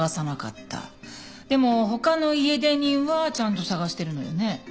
でも他の家出人はちゃんと捜してるのよね？